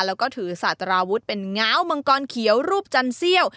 แล้วก็ถือสะตาราวุฒามังกรเขียวรูปจรรเซี่ยว